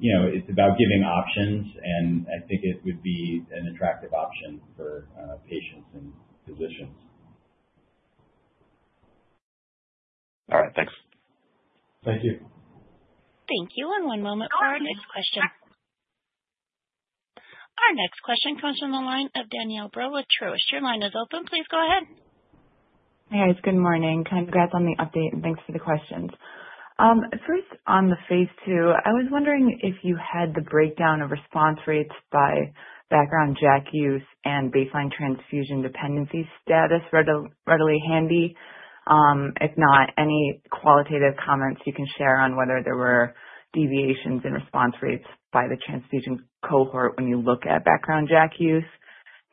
It's about giving options, and I think it would be an attractive option for patients and physicians. All right, thanks. Thank you. Thank you. And one moment for our next question. Our next question comes from the line of Danielle Brill with Truist. Your line is open. Please go ahead. Hey, guys. Good morning. Congrats on the update and thanks for the questions. First, on the phase II, I was wondering if you had the breakdown of response rates by background JAK use and baseline transfusion dependency status readily handy. If not, any qualitative comments you can share on whether there were deviations in response rates by the transfusion cohort when you look at background JAK use.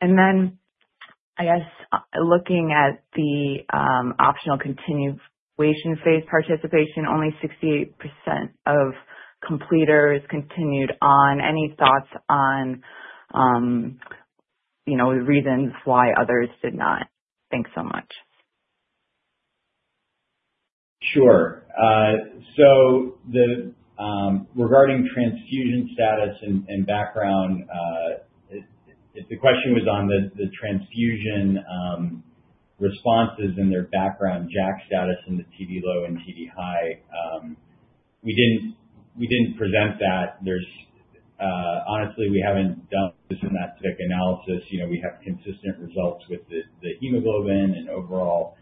And then I guess looking at the optional continuation phase participation, only 68% of completers continued on. Any thoughts on. You know, the reasons why others did not. Thanks so much. Sure. Regarding transfusion status and background, if the question was on the transfusion responses and their background, JAK status in the TD low and TD high, we didn't present that. There's honestly, we haven't done this in that analysis. You know, we have consistent results with the hemoglobin and overall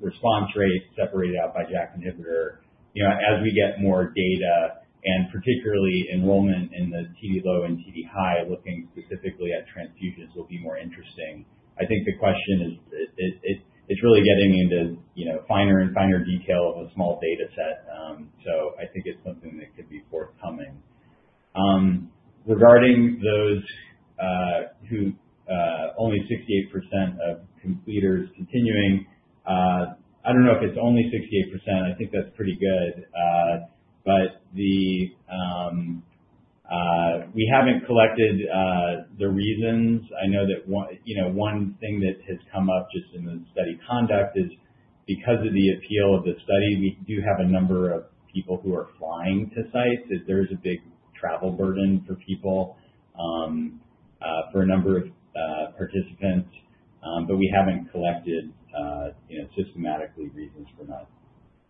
response rate separated out by JAK inhibitor. You know, as we get more data and particularly enrollment in the TD low and TD high, looking specifically at transfusions will be more interesting. I think the question is it's really getting into, you know, finer and finer detail of a small data set. I think it's something that could be forthcoming. Regarding those who only 68% of completers continuing. I don't know if it's only 68%. I think that's pretty good. But the. We haven't collected the reasons. I know that, you know, one thing that has come up just in the study conduct is because of the appeal of the study. We do have a number of people who are flying to sites. That there is a big travel burden for people. For a number of participants. But we haven't collected systematically reasons for not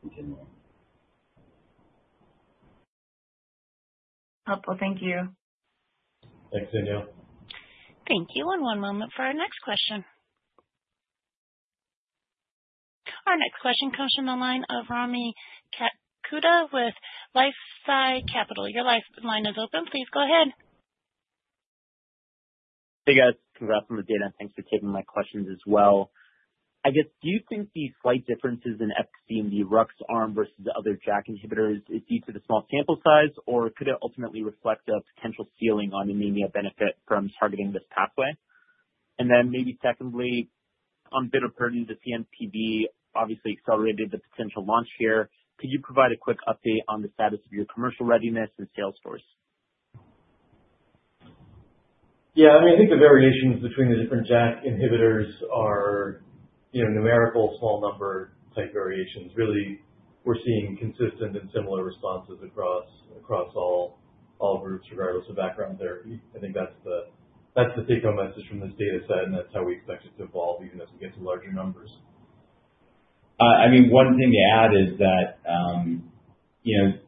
continuing. Helpful. Thank you. Thanks Danielle. Thank you. One moment for our next question. Our next question comes from the line of Rami Katkhuda with LifeSci Capital. Your line is open. Please go ahead. Hey guys, congrats on the data and thanks for taking my questions as well, I guess. Do you think the slight differences in efficacy in the Rux arm versus the other JAK inhibitors is due to the? Small sample size or could it? Ultimately reflect a potential ceiling on anemia benefit from targeting this pathway? And then maybe secondly on bitopertin, the CNPV obviously accelerated the potential launch here. Could you provide a quick update on the status of your commercial readiness and sales force? Yeah, I mean I think the variations. Between the different JAK inhibitors are numerical small number type variations, really seeing consistent and similar responses across all groups regardless of background therapy. I think that's the take home message from this data set and that's how we expect it to evolve even as we get to larger numbers. I mean one thing to add is that.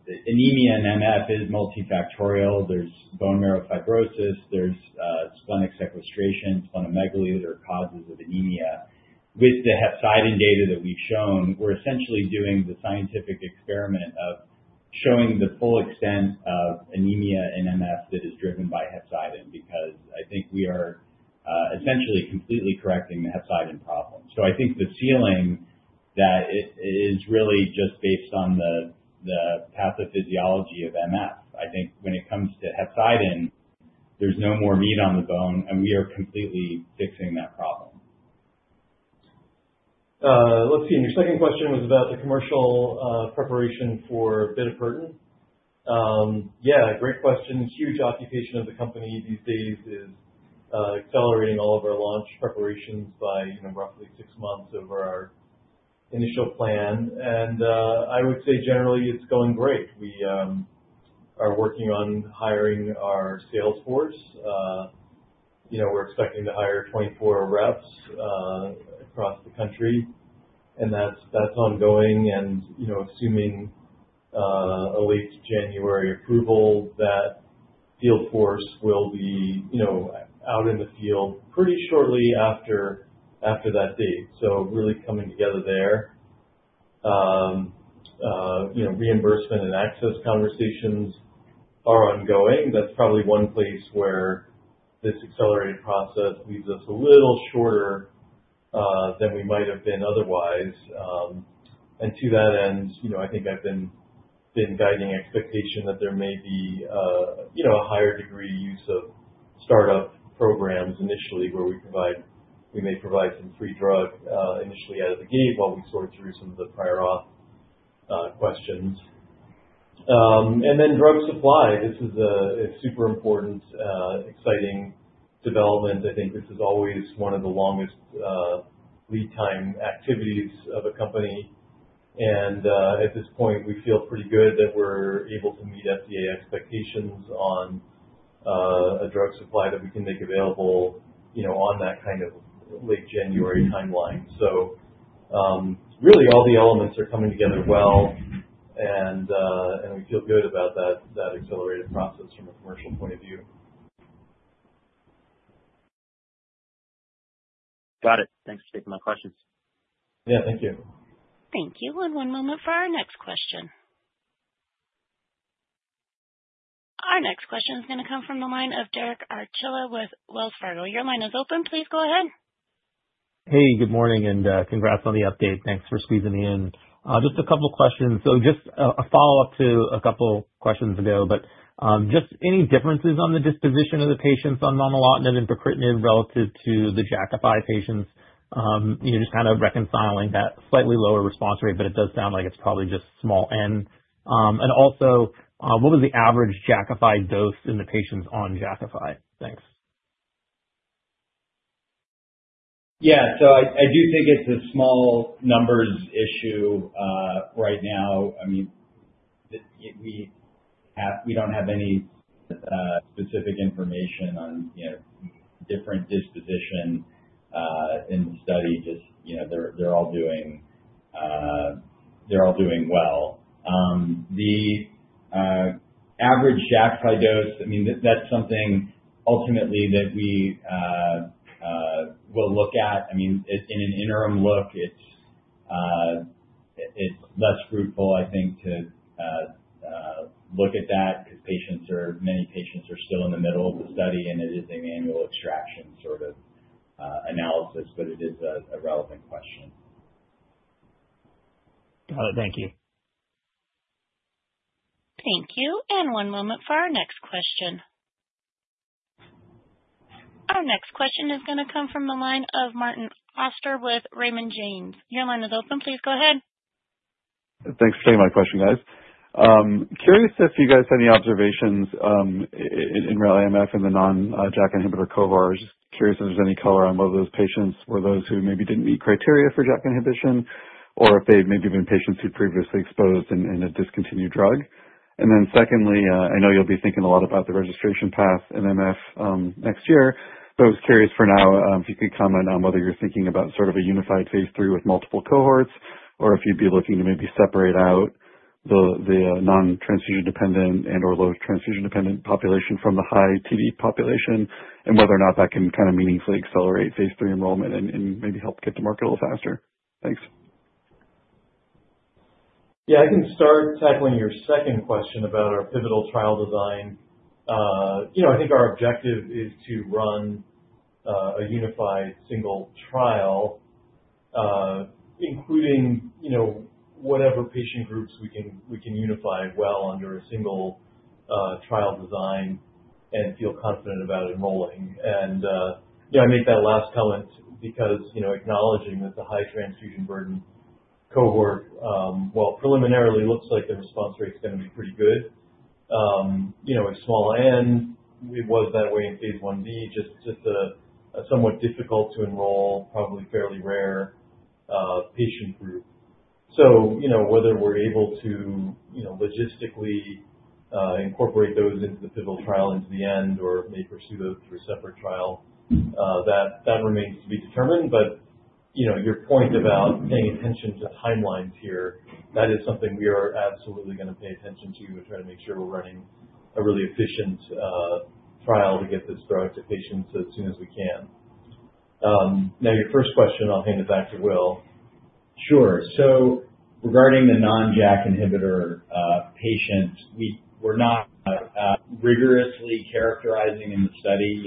Anemia and MF is multifactorial. There's bone marrow fibrosis, there's splenic sequestration, splenomegaly that are causes of anemia. With the hepcidin data that we've shown, we're essentially doing the scientific experiment of showing the full extent of anemia in MF that is driven by hepcidin, because I think we are essentially completely correcting the hepcidin problem. So I think the ceiling that is really just based on the pathophysiology of MF, I think when it comes to hepcidin, there's no more meat on the bone and we are completely fixing that problem. Let's see. Your second question was about the commercial preparation for bitopertin? Yeah, great question. A huge portion of the company these days is accelerating all of our launch preparations by roughly six months over our initial plan. I would say generally it's going great. We are working on hiring our sales force. You know, we're expecting to hire 24 reps across the country and that's ongoing, and, you know, assuming a late January approval, that field force will be, you know, out in the field pretty shortly after that date, so really coming together there. You know, reimbursement and access conversations. That's probably one place where this accelerated process leaves us a little shorter than we might have been otherwise. And to that end, I think I've been guiding expectation that there may be a higher degree use of startup programs initially where we may provide some free drug initially out of the gate while we sort through some of the practices, prior auth questions and then drug supply. This is super important, exciting development. I think this is always one of the longest lead time activities of a company. And at this point we feel pretty good that we're able to meet FDA expectations on a drug supply that we can make available on that kind of late January timeline. So really all the elements are coming together well and we feel good about that accelerated process from a commercial point of view. Got it. Thanks for taking my questions. Yeah, thank you. Thank you. One moment for our next question. Our next question is going to come from the line of Derek Archila with Wells Fargo. Your line is open. Please go ahead. Hey, good morning and congrats on the update. Thanks for squeezing me in. Just a couple questions. So just a follow up to a couple questions ago, but just any differences on the disposition of the patients on momelotinib and pacritinib relative to the Jakafi patients? You're just kind of reconciling that slightly. Lower response rate, but it does sound like it's probably just small N. Also, what was the average Jakafi dose? In the patients on Jakafi? Thanks. Yeah, so I do think it's a small numbers issue right now. I mean. We don't have any specific information on different disposition in the study. Just. They're all doing well. Average Jakafi dose. I mean, that's something ultimately that we. Will look at. I mean, in an interim look. It's less fruitful, I think, to. Look at that because many patients are still in the middle of the study and it is a manual extraction sort of analysis, but it is a relevant question. Got it. Thank you. Thank you. One moment for our next question. Our next question is going to come from the line of Martin Auster with Raymond James. Your line is open. Please go ahead. Thanks for taking my question, guys. Curious if you guys had any observations in RALLY-MF in the non-JAK inhibitor cohorts. Just curious if there's any color on whether those patients were those who maybe didn't meet criteria for JAK inhibition or if they've maybe been patients who'd previously exposed to a discontinued drug. And then secondly, I know you'll be thinking a lot about the registration path in MF next year, but I was curious for now if you could comment on whether you're thinking about sort of a unified phase III with multiple cohorts or if you'd be looking to maybe separate out the non-transfusion-dependent and or low-transfusion-dependent population from the high TB population and whether or not that can kind of meaningfully accelerate phase III enrollment and maybe help get to. Market a little faster. Thanks. Yeah, I can start tackling your second. Question about our pivotal trial design. You know, I think our objective is to run a unified single trial. Including. You know, whatever patient groups we can, we can unify well under a single trial design and feel confident about enrolling, and I make that last comment because, acknowledging that the high transfusion burden cohort, while preliminarily looks like the response rate is going to be pretty good at small N. It was that way in phase I-B. Just somewhat difficult to enroll, probably fairly rare patient group, so whether we're able to logistically incorporate those into the pivotal trial into the end or may pursue those through a separate trial, that remains to be determined, but you know, your point about paying attention to timelines here, that is something we are absolutely going to pay attention to and try to make sure we're running a really efficient trial to get this drug to patients as soon as we can. Now your first question. I'll hand it back to Will. Sure. Regarding the non-JAK inhibitor patients, we're not rigorously characterizing in the study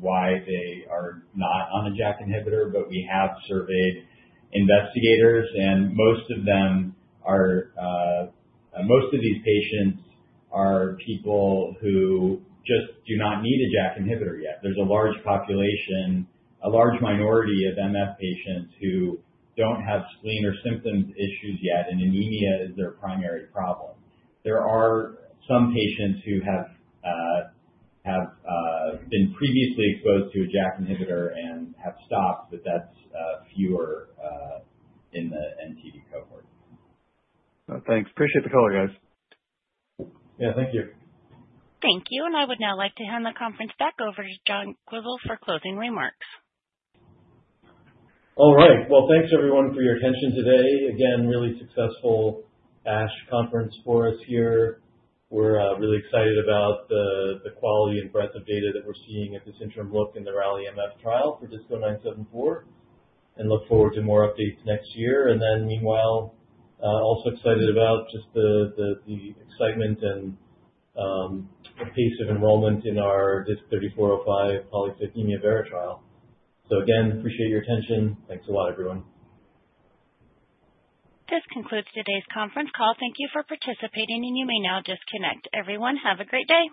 why they are not on the JAK inhibitor, but we have surveyed investigators. Most of these patients are people who just do not need a JAK inhibitor yet. There's a large population, a large minority of MF patients who don't have spleen or symptoms issues yet, and anemia is their primary problem. There are some patients who have. Been. Previously exposed to a JAK inhibitor and have stopped, but that's fewer in the nTD cohort. Thanks. Appreciate the caller, guys. Yeah, thank you. Thank you. I would now like to hand the conference back over to John Quisel for closing remarks. All right, well, thanks, everyone for your attention today. Again, really successful ASH conference for us here. We're really excited about the quality and breadth of data that we're seeing at this interim look in the RALLY-MF trial for DISC-0974 and look forward to more updates next year and then meanwhile, also excited about just the excitement and pace of enrollment in our DISC-3405 polycythemia vera trial, so, again, appreciate your attention. Thanks a lot, everyone. This concludes today's conference call. Thank you for participating, and you may now disconnect, everyone. Have a great day.